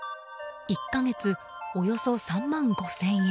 １か月およそ３万５０００円。